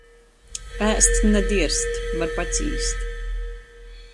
Ēst na dierst, var pacīst.